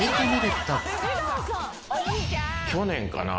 去年かな？